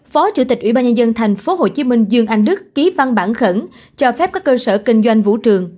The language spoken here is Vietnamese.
phó chủ tịch ủy ban nhân dân tp hcm dương anh đức ký văn bản khẩn cho phép các cơ sở kinh doanh vũ trường